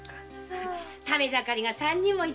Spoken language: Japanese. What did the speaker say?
食べ盛りが三人。